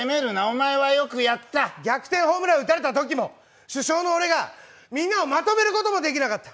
逆転ホームラン打たれたあとも主将の俺がみんなをまとめることもできなかった。